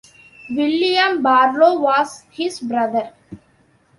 William Barlow was his brother.